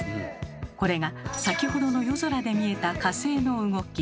これが先ほどの夜空で見えた火星の動き。